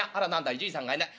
いじいさんがいない。